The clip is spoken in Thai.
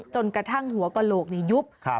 จนกระทั่งหัวกระโหลกยุบ